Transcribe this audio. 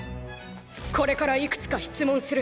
これからいくつか質問する！